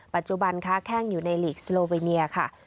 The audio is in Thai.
ปัจจุบันค่ะแข่งอยู่ในหลีกโซโลเวเนียค่ะ